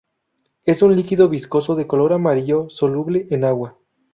Es un líquido viscoso de color amarillo soluble en agua.